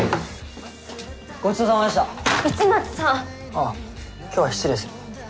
ああ今日は失礼する。